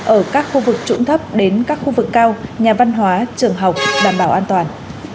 ở các khu vực trũng thấp đến các khu vực cao nhà văn hóa trường học đảm bảo an toàn